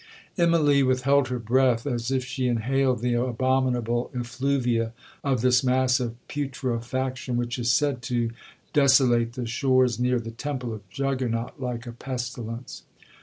'Immalee withheld her breath, as if she inhaled the abominable effluvia of this mass of putrefaction, which is said to desolate the shores near the temple of Juggernaut, like a pestilence.